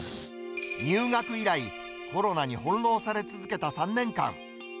入学以来、コロナに翻弄され続けた３年間。